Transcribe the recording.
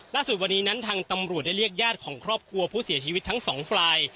ล่าสุดวันนี้นั้นทางตำรวจได้เรียกญาติของครอบครัวผู้เสียชีวิตทั้งสองฝ่าย